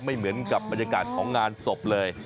ไม่เหมือนกับบรรยากาศของงานศพเลย